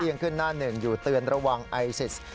ยังขึ้นหน้าหนึ่งอยู่เตือนระวังไอซิส